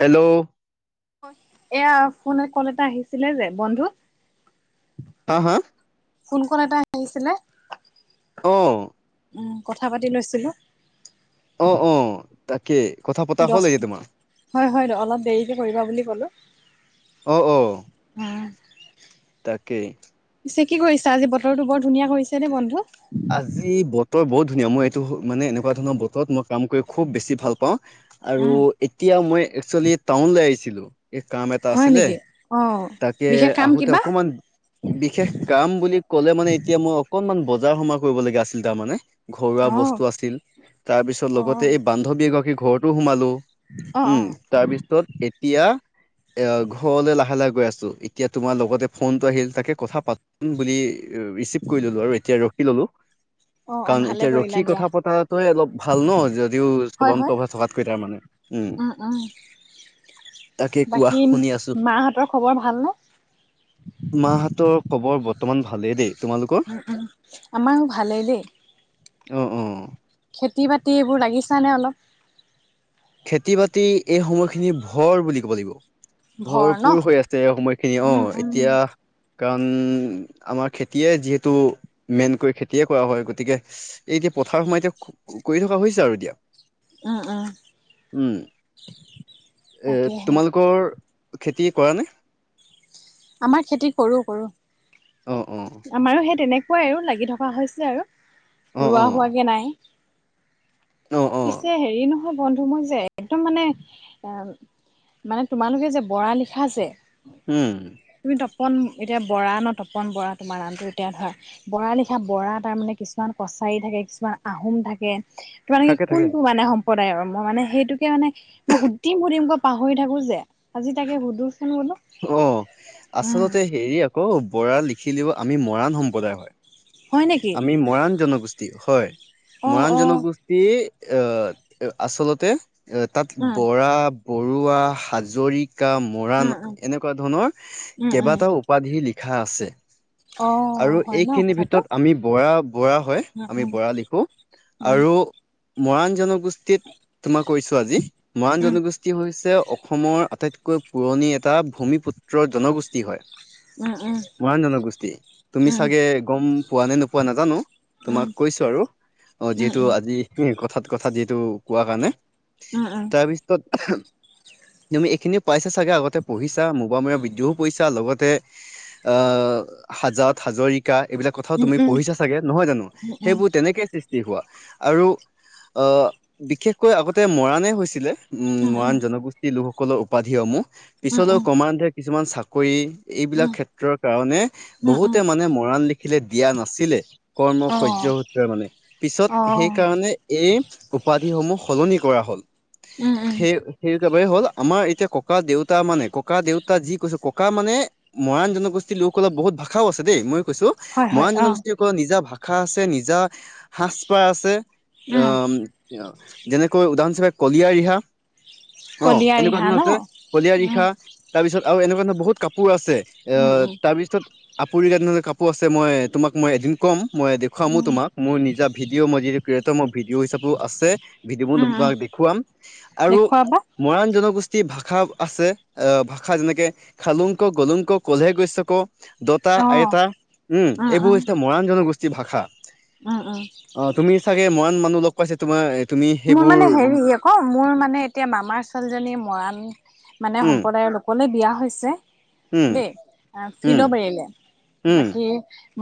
Hello? এইয়া ফোনত call এটা আহিছিলে যে বন্ধু। হা হা? ফোন ক'ল এটা আহিছিলে। অ'। উম, কথা পাতি লৈছিলোঁ। অ', অ'। তাকে, কথা প দচ হয়, হয়, অলপ দেৰিকৈ কৰিবা বুলি কলোঁ। অ', অ'। উম। তাকেই। পিছে কি কৰিছা? আজি বতৰটো বৰ ধুনীয়া কৰিছে দেই বন্ধু। আজি বতৰ বহুত ধুনীয়া। মই এইটো মানে এনেকুৱা ধৰণৰ বতৰত মই কাম কৰি খুব বেছি ভাল পাওঁ। আৰু উম এতিয়া মই একচুৱেলি টাউনলৈ আহিছিলোঁ, এই কাম এটা হয় আছিলে। নেকি অ তাকে বিশেষ কাম আহোঁতে কিবা অকমান বিশেষ কাম বুলি ক'লে মানে এতিয়া মই অকনমান বজাৰ সমাৰ কৰিব লগা আছিল তাৰমানে। ঘৰুৱা অ বস্তু আছিল, তাৰপিছত অ লগতে বান্ধৱী এগৰাকী ঘৰতো সোমালো। অ অ উম, তাৰপিছত এতিয়া এ ঘৰলৈ লাহে লাহে গৈ আছোঁ, এতিয়া তোমাৰ লগতে ফোনটো আহি আছে। তাকে কথা পাতিম বুলি ৰিচিভ কৰি ললোঁ আৰু এতিয়া ৰখি ললোঁ। অ অ কাৰণ ভালে এতিয়া কৰিলা ৰখি দিয়া কথা পতাটোৱে অলপ ভাল ন' যদিও হয় হয় চলন্ত হৈ থকাতকৈ তাৰমানে। উম, উম। তাকে কোৱা বাকী, শুনি আছো মাহঁতৰ খবৰ ভাল নে? মাহতৰ খবৰ বৰ্তমান ভালেই দেই। তোমালোকৰ উম, উম, আমাৰ ভালেই দেই। অ'অ' খেতি-বাতি এইবোৰ লাগিছানে অলপ? খেতি-বাতি এই সময়খিনি ভৰ বুলি ক'ব লাগিব। ভৰ ন ভৰপুৰ হৈ আছে সময়খিনি উম অ' উম এতিয়া কাৰণ আমাৰ খেতিয়ে যিহেতু মেইনকৈ খেতিয়ে কৰা হয় গতিকে এই এতিয়া পথাৰ সময় এতিয়া কৰি থকা হৈছে আৰু এতিয়া। উম, উম। উম, এ তাকেহে তোমালোকৰ খেতি কৰা নে? আমাৰ খেতি কৰো, কৰো অ', অ', আমাৰো সেই তেনেক তেনেকোৱাই আৰু লাগি থকা হৈছে আৰু অ', ৰোৱা অ', হোৱাকৈ নাই। অ', অ', পিছে হেৰি নহয় বন্ধু মই যে একদম মানে এ মানে তোমালোকে যে বৰা লিখা যে উম, তুমি তপন এতিয়া বৰা ন' তপন বৰা তোমাৰ আনটো এতিয়া ধৰা বৰা লিখা বৰা তাৰমানে কিছুমান কছাৰী থাকে, কিছুমান আহোম থাকে তোমালোকে থাকে কি থাকে। কি মানে সম্প্ৰদায়ৰ মই মানে সেইটোকে মানে মই সুধিম, সুধিম কৈ পাহৰি থাকো যে আজি তাকে সুধোচোন বোলো। অ' উম আচলতে হেৰি আকৌ বৰা লিখিলেও আমি মৰাণ সম্প্ৰদায় হয়। হয় নেকি আমি মৰাণ জনগোষ্ঠী হয়, অ মৰাণ অ জনগোষ্ঠী তি আচলতে এ তাত উম বৰা বৰুৱা, হাজৰিকা, মৰাণ উম উম এনেকুৱা ধৰণৰ উম উম। কেইবাটাও উপাধি লিখা আছে অ আৰু হয় ন এইখিনিৰ কথাটো। ভিতৰত আমি বৰা বৰা হয় উম আমি উম বৰা লিখো আৰু মৰাণ জনগোষ্ঠ তোমাক কৈছো আজি মৰাণ জনগোষ্ঠী হৈছে অসমৰ আটাইতকৈ পুৰণি এটা ভূমিপুত্ৰৰ জনগোষ্ঠী হয়। উম, উম। মৰাণ জনগোষ্ঠী তুমি উম ছাগে গ'ম পোৱা নে নোপোৱা নাজানো। তোমাক কৈছো আৰু অ' উম উম যিহেতু আজি এ কথাত, কথাত যিটো কোৱা কাৰণে উম তাৰপিছত তুমি এইখিনিও পাইছা ছাগে আগতে পঢ়িছা মোগমই বিদ্যহও কৰিছা লগতে আহ হাজাদ, হাজৰিকা এইবিলাক কথাও উম উম তুমি পঢ়িছা উম চাগে নহয় জানো উম উম উম উম উম উম সেইবোৰ উম তেনেকে সৃষ্টি হোৱা আৰু আহ বিশেষকৈ আগতে মৰাণে হৈছিলে। উম, মৰান জনগোষ্ঠী লোকসকলৰ উপাধিসমূহ পিছলৈও ক্ৰমান্ধে কিছুমান চাকৰি উম এইবিলাক ক্ষেত্ৰৰ কাৰণে উম উম বহুতে মানে মৰাণ লিখিলে দিয়া নাছিলে। কৰ্মৰ অ সহ্য সূত্ৰে মানে। অ পিছত সেইকাৰণে এই উপাধিসমূহ সলনি কৰা হল। উম, উম। সেই সেই একেবাৰে হ'ল আমাৰ এতিয়া ককা-দেউতা মানে ককা-দেউতা যি কৈছে ককা মানে মৰাণ জনগোষ্ঠীৰ লোকসকলপ বহুত ভাষাও আছে দেই মইো কৈছো। হয় হয় মৰাণ অ জনগোষ্ঠী সকলৰ নিজা ভাষা আছে নিজা সাজ পাৰ আছে। উম আহ যেনেকৈ উদাহৰণস্বৰুপে কলিয়া ৰিহা। কলীয়া অ' এনেকুৱা ৰিহা ন। ধৰণৰ আছে কলিয়া উম ৰিহা তাৰ পিছত আৰু এনেকুৱা ধৰণৰ বহুত কাপোৰ আছে, উম আহঁ উম। তাৰ পিছত আপুৰুগীয়া দিনৰ কাপোৰ। কাপোৰ আছে মই তোমাক মই এদিন কম মই দেখাৱামো উম তোমাক মোৰ নিজা ভিডিঅ' মাজেদি যিহেতু মোৰ ভিডিঅ' হিচাপেও আছে ভিডিঅ' উম উম বোৰ দেখুৱাম আৰু দেখুৱাবা মৰাণ জনগোষ্ঠীৰ ভাষা আছে আহঁ ভাষা যেনেকে খালোং ক গলোং ক কলে গৈছে ক' দতা অ। আইতা উম, এইবোৰ হৈছে মৰাণ জনগোষ্ঠীৰ ভাষা। উম, উম অ' তুমি চাগে মৰাণ মানুহ লগত কৈছে তোমাৰ তুমি মোৰ সেইবোৰ মানে হেৰি আকৌ, মোৰ মানে এতিয়া মামাৰ ছোৱালীজনী মৰাণ মানে উম সম্প্ৰদায়ৰ লোকলে বিয়া হৈছে, উম দেই। আ উম ফিলবাৰীলে উম বাকী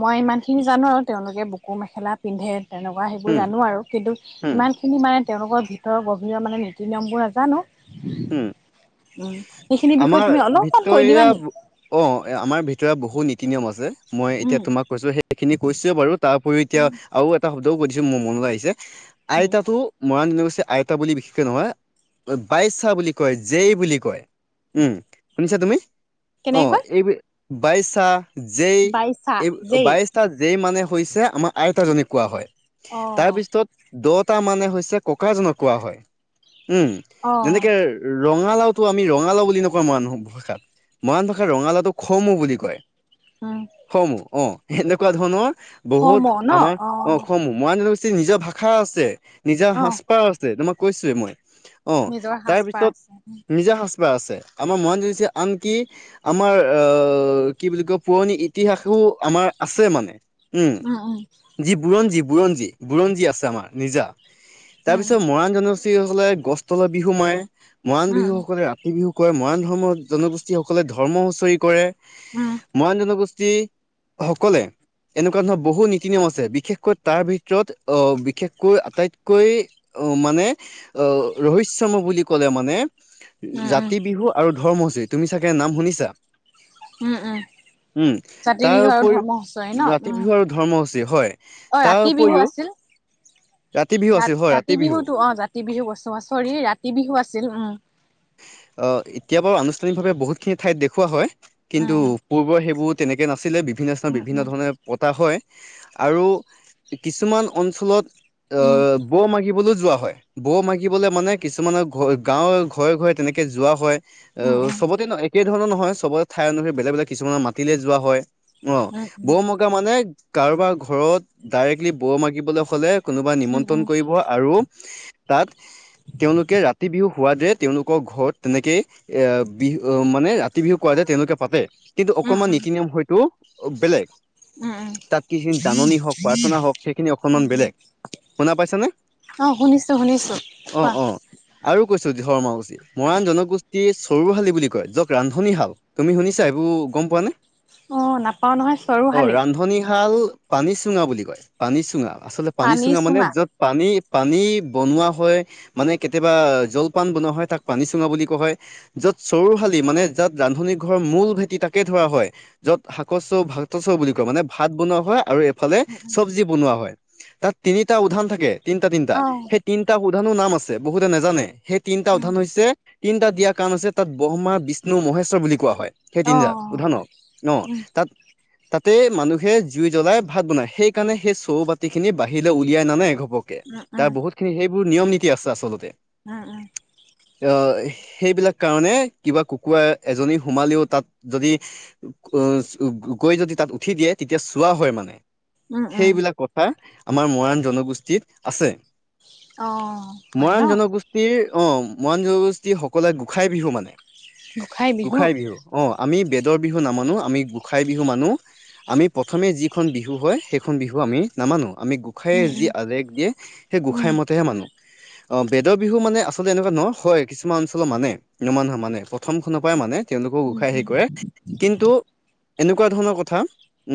মই ইমান খিনি জানো আৰু, তেওঁলোকে বুকু মেখেলা পিন্ধে তেনেকুৱা সেইবোৰ উম জানো আৰু, কিন্তু হুম, ইমান যিখিনি মানে, তেওঁলোকৰ ভিতৰৰ গভীৰ মানে নীতি-নিয়মবোৰ নাজানো। হুম। উম, সেইখিনি বিষয়ে আমাৰ তুমি অলপমান কৈ দিবা ভিতৰীয়া নেকি অ', আমাৰ ভিতৰত বহুত নীতি-নিয়ম আছে, মই এতিয়া উম তোমাক কৈছো, সেই সেইখিনি কৈছোৱে বাৰু, তাৰ উপৰিও এতিয়া আৰু এটা শব্দও কৈ দিছো মোৰ মনলৈ আহিছে উম আইতাতো মৰাণ জনগোষ্ঠী আইতা বুলি বিশেষকে নকয় বাইছা বুলি কয়, জেই বুলি কয়। উম, শুনিছা তুমি অ কেনেকৈ এই বাইশাহ জেই, বাইচা এই যেই বাইচ জেই মানে হৈছে, আমাৰ আইতাজনীক কোৱা হয় অ তাৰ পিছত দ'তা মানে হৈছে, ককাজনক কোৱা হয় উম অ যেনেকে ৰঙালাওটো আমি ৰঙালাও বুলি নকওঁ মৰাণ ভাষাত। মৰাণ ভাষাত ৰঙালাউটো খমউ বুলি কয়। হয় খমউ, অ এনেকুৱা ধৰণৰ সম ন বহুত আমাৰ অ খমউ মৰাণ জনগোষ্টি নিজৰ ভাষা আছে, নিজৰ অ সাজপাৰ আছে, তোমাক কৈছোৱে মই। অ', নিজৰ সাজপাৰ তাৰপিছত আছে। নিজা সাজপাৰ আছে, আমাৰ মৰাণ জনগোষ্ঠী আনকি আমাৰ আহ, কি বুলি কয়, পুৰণি ইতিহাসো আমাৰ আছে মানে। উম, যি বুৰঞ্জী, বুৰঞ্জী, বুৰঞ্জী আছে আমাৰ নিজা। তাৰ পিছত উম মৰাণ জনগেষ্টিসকলে গছ তলত বিহু মাৰে, মৰাণ উম বিহু সকলে ৰা ৰাতি বিহু কৰে, মৰাণ ধৰ্ম জনগোষ্ঠীসকলে ধৰ্ম হুঁচৰি কৰে। উম মৰাণ জনগোষ্ঠী সকলে এনেকুৱা ধৰণৰ বহুত নীতি-নিয়ম আছে, বিশেষকৈ তাৰ ভিতৰত, আহ বিষেশকৈ আটাইতকৈ অ মানে অ ৰৈ ৰহস্যময় বুলি ক'লে মানে, উম উম জাতি বিহু আৰু ধৰ্ম হুঁচৰি তুমি চাগে নাম শুনিছা। উম, উম। উম, ৰাতি তাৰ বিহু আৰু উপৰি ধৰ্ম হুঁচৰি ন ৰাতি উম, বিহু আৰু ধৰ্ম হুঁচৰি হয়। অ' তাৰ ৰাতি বিহু উপৰিও আছিল। ৰাতি বিহু ৰাত আছে হয়, ৰাতি বিহু। বিহুতো অ' ৰাতি বিহু বস্তু, চৰি ৰাতি বিহু আছিল উম। আহ, এতিয়া বাৰু আনুষ্ঠানিকভাৱে বহুতখিনি ঠাইত দেখুওৱা হয়, কিন্তু উম পূৰ্বৰ সেইবোৰত তেনেকে নাছিলে, বিভিন্ন স্থানত বিভিন্ন উম ধৰণে পতা হয়। আৰু কিছুমান অঞ্চলত অ', বৌ মাগিবলৈ যোৱা হয়, বৌ মাগি শিকিবলে মানে, কিছুমানৰ গাঁৱৰ ঘৰে, ঘৰে তেনেকে যোৱা হয়, উম অ', উম চবতে নহয়। একে ধৰণৰ নহয়, চবৰে ঠাই অনুসৰি বেলেগ, বেলেগ কিছুমানৰ মাতিলে যোৱা হয়, অ' উম বৌ উম মানে, কাৰোবাৰ ঘৰত, ডাইৰেক্টলি বৌ মাগিবলৈ হ'লে কোনোবাই উম উম উম উম উম নিমন্ত্ৰণ কৰিব, আৰু তাত তেওঁলোকে ৰাতি বিহু হোৱাৰ দৰে, তেওঁলোকৰ ঘৰত তেনেকে এ, বিহু মানে ৰা তি বিহু কোৱা যায় তেওঁলোকে পাতে, কিন্তু উম অকণমান নীতি-নিয়ম হয়তো বেলেগ। উম তাত সেইখিনি জাননী হওঁক, প্ৰাৰ্থনা হওঁক, সেইখিনি উম অকণমান উম বেলেগ, শুনা পাইছে নে? অ', শুনিছোঁ, শুনিছোঁ, কোৱা। অ আৰু কৈছো [unintelligible] উচিত। মৰাণ জনগোষ্ঠীৰ চৰুশালী বুলি কয়, ৰান্ধনীশাল, তুমি শুনিছা, গম পোৱা নে? অ নাপাও নহয় অ', চৰুশালি ৰান্ধনীশাল পানী চুঙা বুলি কয়। পানী চুঙা আচলতে পানী চুঙা মানে য'ত পানী পানী বনোৱা হয় মানে, কেতিয়াবা জলপান বনোৱা হয় তাক পানী চুঙা বুলি কোৱা হয়। য'ত চৰুশালী মানে, য'ত ৰান্ধনী ঘৰৰ মূল ভেটি তাকে ধৰা হয়। য'ত শাকৰ চৌ ভাত চৌ বুলি কয় মানে ভাত বনোৱা হয় আৰু ফালে চব্জি বনোৱা হয়। তাত তিনিটা উধান থাকে তিনিটা তিনিটা অ সেই তিন এটা উদধানো নাম আছে বহুতে নাজানে সেই তিনিটা উম উদধান হৈছে- তিনিটা দিয়া কাৰণ আছে তাত ব্ৰহ্মা, বিষ্ণু, মহেশ্বৰ বুলি কোৱা হয়। সেই অ তিনিটা উধান ন ন উম তাত- তাতে মানুহে জুই জ্বলাই ভাত বনাই সেইকাৰণে সেই চৌ বাতি খিনি বাহিৰলৈ উলিয়াই নানে ঘপকে। উম উম তাৰ খিনি সেইবোৰ নিয়ম নীতি আছে আচলতে। উম' উম আহ' সেইবিলাক কাৰণে কিবা কুকুৰা এজনী সোমালেও তাত- যদি উ গৈ যদি তাত উঠি দিয়ে তেতিয়া চোৱা হয় মানে উম উম উম সেইবিলাক কথা আমাৰ মৰাণ জনগোষ্ঠীত আছে। অ' হয় ন মৰাণ জনগোষ্ঠীৰ অ' মৰাণ জনগোষ্ঠীৰ সকলোৱে গোঁসাই বিহু মানে। গোঁসাই বিহু অ আমি বেদৰ বিহু নামানো। আমি গোঁসাই বিহু মানো। আমি প্ৰথমে যিখন বিহু হয় সেইখন বিহু আমি নামানো। আমি গোঁসাইে উম যি আদেশ দিয়ে সেই উম গোঁসাই মতেহে মানো। অঁ বেদৰ বিহু মানে আচলতে এনেকুৱা নহয়। হয় কিছুমান অঞ্চলত মানে। কিছুমান মানুহে মানে প্ৰথম খনৰ পৰাই মানে তেওঁলোকক উম উম গোঁসাই হেৰি উম কৰে। কিন্তু এনেকুৱা ধৰণৰ কথা,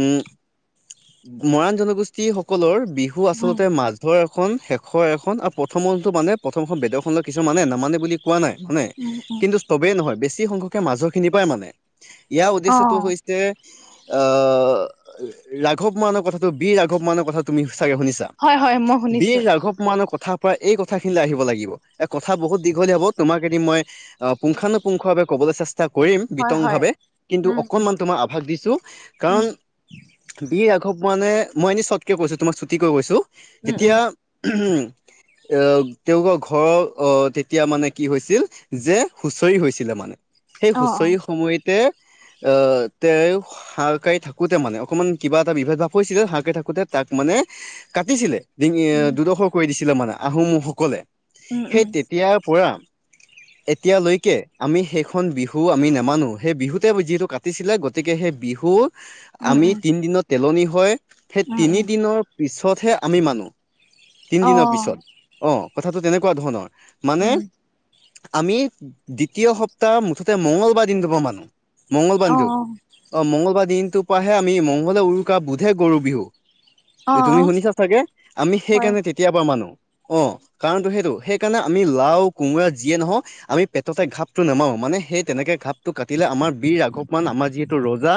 উ মৰাণ জনগোষ্ঠী সকলৰ বিহু উম আচলতে মাজৰ এখন শেষৰ এখন আৰু মানে প্ৰথমখন বেদৰখন কিছু মানে নামানে বুলি কোৱা নাই। মানে, উম উম কিন্তু চবেই নহয় বেছি সংখ্যকে মাজৰখিনি পাই মানে। ইয়াৰ অ উদ্দেশ্যতটো হৈছে। আহ' ৰাঘৱ মানৰ কথাটো বিৰ ৰাঘৱ মানৰ কথা তুমি চাগৈ শুনিছা। হয় হয় মই বিৰ শুনিছো ৰাঘৱ মৰাণৰ কথা কথাৰ পৰা এই কথাখিনিলৈ আহিব লাগিব এ কথা বহুত দীঘলীয়া হ'ব। তোমাক এদিন মই অ' পুংখানুপুংখভাৱে বাবে ক'লৈ চেষ্টা- কৰিম হয় হয় বিতংভাৱে কিন্তু উম উম অকনমান তোমাৰ আভাস দিছোঁ। উম কাৰণ- বিৰ ৰাঘৱ মৰাণে, মই এনেই চটকে কৈছোঁ তোমাক ছুটি কৈ কৈছোঁ, উম উম যেতিয়া- উ এ তেওঁলোকৰ ঘৰৰ অ' তেতিয়া মানে কি হৈছিল যে হুচৰি হৈছিলে মানে, সেই অ', অ', হুঁচৰি সময়ত তে আহ তেওঁ হাকাৰি থাকোতে মানে, অকমান কিবা এটা বিভেদ ভাৱ কৰিছিলে হাকাৰি থাকোতে তাক মানে কাটিছিলে। ডিঙি উম। দুদখৰ কৰি দিছিলে মানে আহোম সকলে উম সেই উম তেতিয়াৰ পৰা- [unintelligible] এতিয়ালৈকে আমি সেইখন বিহু আমি নামানোঁ, সেই বিহুতে যিহেতু কাটিছিলে- গতিকে সেই বিহু উম আমি উম তিনিদিনৰ তেলনি হয়, সেই উম তিনি উম দিনৰ পিছতহে আমি মানো। তিনি অ দিনৰ পিছত অহ' কথাটো তেনেকুৱা ধৰণৰ মানে উম। আমি দ্বিতীয় সপ্তাহ মুঠতে মঙ্গলবাৰ দিনটো পৰা মানো। মঙ্গলবাৰ অ', দিনটোৰ, অ', অ' মঙ্গলবাৰ দিনটোৰ পৰাহে আমি মংগলে উৰুকা বোধে গৰু বিহু। অ', অ তুমি শুনিছা চাগে আমি সেই হয়। কাৰণে তেতিয়াবা মানো অঁ। কাৰণটো সেইটো, সেইকাৰণে আমি লাও কোমোৰা যিয়ে নহওঁক পেটতে ঘাপটো নেমাৰো মানে সেই তেনেকে ঘাপটো কাটিলে আমাৰ বীৰ ৰাঘৱ মৰাণ আমাৰ যিহেতু ৰজা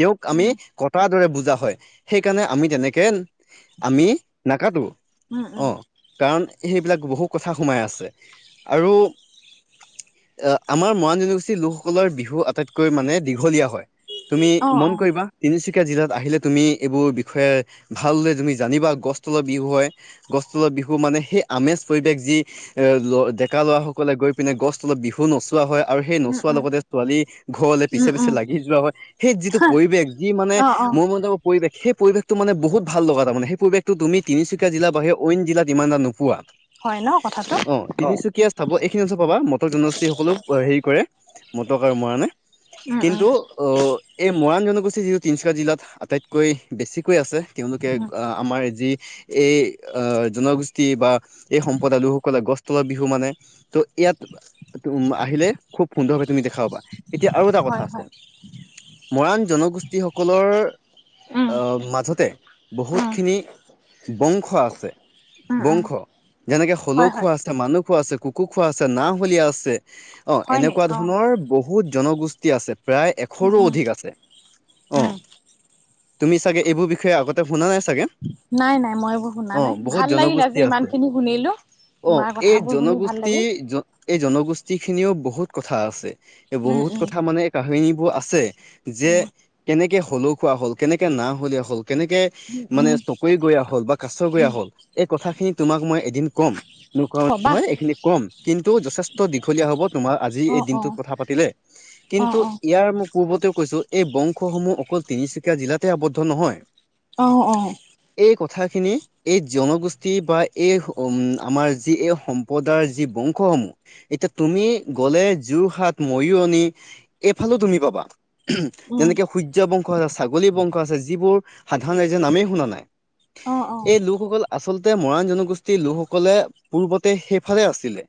তেওঁক উম আমি উম। কটাৰ দৰে বুজা হয়, সেইকাৰণে আমি তেনেকে আমি নাকাটো উম অঁ। কাৰণ সেইবিলাক বহু কথা সোমাই আছে আৰু আহ আমাৰ মৰাণ জনগোষ্ঠীৰ লোকসকলৰ বিহু আটাইতকৈ মানে দীঘলীয়া হয়। তুমি অ', ম'ন অ'। কৰিবা তিনিচুকীয়া জিলাত আহিলে তুমি এইবোৰ বিষয়ে ভাললৈ তুমি জানিবা গছ তলৰ বিহু হয় গছ গছ তলৰ বিহু মানে সেই আমেজ পৰিৱেশ যি ডেকা ল'ৰা সকলে গৈ পিনে গছ তলত বিহু নচোৱা হয় আৰু সেই উম নচোৱাৰ উম লগতে ছোৱালী ঘৰলে পিছে উম পিছে উম। লাগি যোৱা হয়। সেই যিটো হা পৰিৱেশ যি মানে অ', অ', মোৰ মতে পৰিৱেশ, সেই পৰিৱেশটো মানে বহুত ভাল লগা তাৰ মানে, সেই পৰিৱেশটো তুমি তিনিচুকীয়া জিলা বাহিৰে অইন জিলাত ইমান এটা নোপোৱা। হয় ন কথা অঁ তিনিচুকীয়া চাব এইখিনিটো পাবা মটক জনগোষ্ঠী সকলো হেৰি কৰে। মটক আৰু মৰাণে। উম। উম কিন্তু এই মৰাণ জনগোষ্ঠী যিটো তিনিচুকীয়া জিলাত আটাইতকৈ বেছিকৈ আছে। তেওঁলোকে উম। অ আমাৰ যি এই আহ জনগোষ্ঠী বা এই সম্প্ৰদায়টো সকলে গছ তলৰ বিহু মানে, ত ইয়াত তম আহিলে খুব সুন্দৰভাৱে তুমি দেখা পাবা, এতিয়া আৰু এটা হয় কথা আছে হয়। মৰাণ জনগোষ্ঠী সকলৰ উম অহ মাজতে উম বহুতখিনি বংশ আছে, উম উম। বংশ যেনেকে হলৌ হয় হয়, খোৱা আছে, মানুহ খোৱা আছে কুক কো খোৱা, আছে নাও হলিয়া আছে অঁ, হয় নি? এনেকুৱা অ'। ধৰণৰ বহুত জনগোষ্ঠী আছে প্ৰায় এক উম শৰো উম অধিক আছে, অঁ, উম। তুমি চাগে এইবোৰ বিষয়ে আগতে শুনা নাই চাগে। নাই নাই মই এইবোৰ শুনা অ' নাই, বহুত ভাল লাগিল জনগোষ্ঠী আজি আছে। ইমান খিনি শুনিলো, অ তোমাৰ এই কথাবোৰ শুনি ভাল জনগোষ্ঠী লাগিল। জ এই জনগোষ্ঠী খিনিও বহুত কথা আছে, এই উম বহুত উম কথা মানে কাহানীবোৰ আছে, যে উম কেনেকে হলৌ খোৱা হ'ল, কেনেকে না হলিয়া হ'ল, কেনেকে উম মানে উম চকৰি গঞা হ'ল বা কাছ গঞা উম। হ'ল, এই কথাখিনি তোমাক মই এদিন ক'ম। [unintelligible] ক'বা হয় এইখিনি ক'ম, কিন্তু যথেষ্ট দীঘলীয়া হ'ব তোমাৰ আজি এই অ', অ', দিনটোত কথা পাতিলে, অ', অ', কিন্তু ইয়াৰ পূৰ্বতেও কৈছো, এই বংশসমূহ অকল তিনিচুকীয়া জিলাতে আৱদ্ধ নহয়। অ', অ'। এই কথাখিনি এই জনগোষ্ঠী বা এই উম' আমাৰ যি এই সম্পদৰ যি বংশসমূহ এতিয়া তুমি গ'লে যোৰহাট, মৰীয়নি এইফালে তুমি পাবা। উম, যেনেকে সূৰ্য বংশ আছে, ছাগলী বংশ আছে যিবোৰ সাধাৰণ ৰাইজে নামে শুনা নাই। অ', অ', এই লোকসকল আচলতে মৰাণ জনগোষ্ঠী লোকসকলে পূৰ্বতে সেইফালে আছিলে।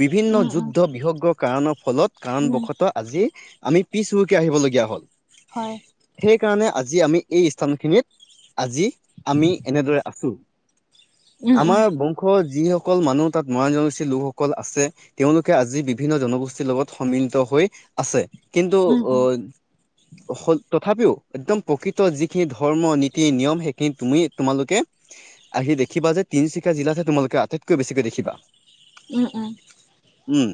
বিভিন্ন উম, উম, যুদ্ধ বিহগ্ৰ কাৰণৰ ফ'লত উম, কাৰণবশত আজি আমি পিছ হূহুকি আহিব লগীয়া হ'ল। হয়। সেইকাৰণে আজি আমি এই স্থান খিনিত, আজি আমি এনেদৰে আছো। উম, উম, আমাৰ বংশৰ যিসকল মানুহ তাত মৰাণ জনগোষ্ঠী লোকসকল আছে। তেওঁলোকে আজি বিভিন্ন জনগোষ্ঠীৰ লগত সমিলত হৈ আছে। কিন্তু উম, উম, তথাপিও একদম প্ৰকৃত যিখিনি ধৰ্ম নীতি নিয়ম সেইখিনি তুমি তোমালোকে আহি দেখিবা যে, তিনচুকীয়া জিলাতে হে তোমালোকে আটাইতকৈ বেছিকে দেখিবা। উম, উম। উম।